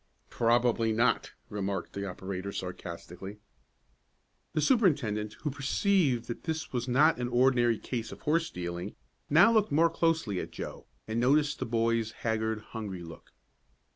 "Probably not," remarked the operator, sarcastically. The superintendent, who seemed to perceive that this was not an ordinary case of horse stealing, now looked more closely at Joe, and noticed the boy's haggard, hungry look.